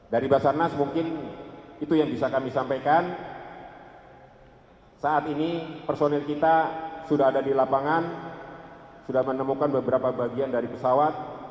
dari basarnas mungkin itu yang bisa kami sampaikan saat ini personil kita sudah ada di lapangan sudah menemukan beberapa bagian dari pesawat